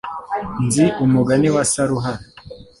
Nzi umugani wa saruhara